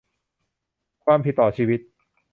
ความผิดต่อชีวิต